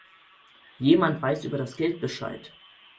Jemand weiß über das Geld Bescheid.